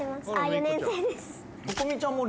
４年生です」